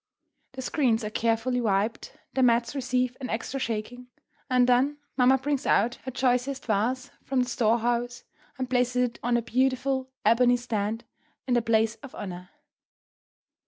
The screens are carefully wiped, the mats receive an extra shaking, and then mamma brings out her choicest vase from the storehouse and places it on a beautiful, ebony stand in the place of honour.